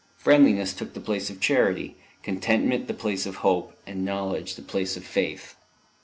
Friendliness took the place of charity, contentment the place of hope, and knowledge the place of faith.